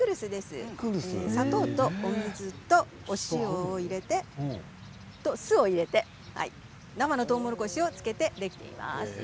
お砂糖と水と塩を入れてそれからお酢を入れて生のとうもろこしを漬けてできています。